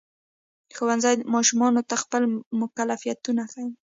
ښوونځی ماشومانو ته خپل مکلفیتونه ښيي.